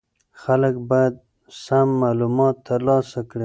خلک باید سم معلومات ترلاسه کړي.